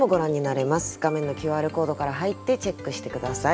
画面のＱＲコードから入ってチェックして下さい。